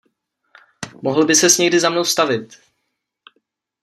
Mohl by ses někdy za mnou stavit.